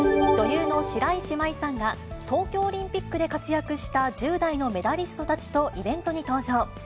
女優の白石麻衣さんが、東京オリンピックで活躍した１０代のメダリストたちとイベントに登場。